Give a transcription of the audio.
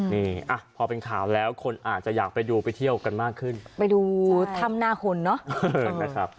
นี่อ่ะพอเป็นข่าวแล้วคนอาจจะอยากไปดูไปเที่ยวกันมากขึ้นไปดูถ้ำหน้าหุ่นเนอะนะครับ